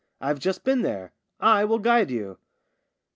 I've just been there. I will guide you."